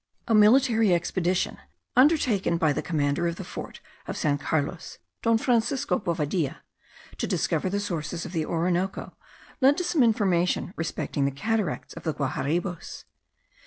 A military expedition, undertaken by the commander of the fort of San Carlos, Don Francisco Bovadilla, to discover the sources of the Orinoco, led to some information respecting the cataracts of the Guaharibos.